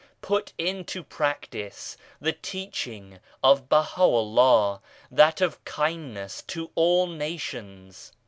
Put into practice the Teaching of Baha'u'llah, that of kindness to all nations.